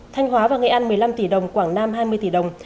thanh hóa và nghệ an một mươi năm tỷ đồng quảng nam hai mươi tỷ đồng